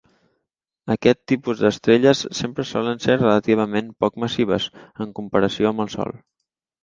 Aquest tipus d'estrelles sempre solen ser relativament poc massives, en comparació amb el Sol.